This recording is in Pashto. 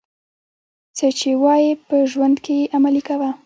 څه چي وايې په ژوند کښي ئې عملي کوه.